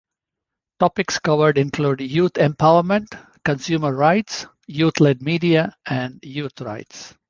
Topics covered include youth empowerment, consumer rights, youth-led media, and youth rights.